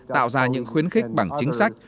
tạo ra những khuyến khích bằng chính sách